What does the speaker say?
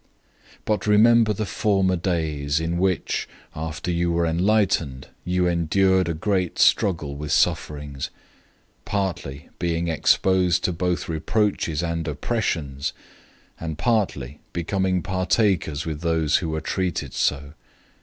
010:032 But remember the former days, in which, after you were enlightened, you endured a great struggle with sufferings; 010:033 partly, being exposed to both reproaches and oppressions; and partly, becoming partakers with those who were treated so.